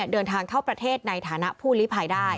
เดินทางเข้าประเทศในฐานะผู้ลิภัยได้